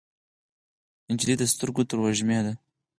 نجلۍ د سترګو تروږمۍ ده.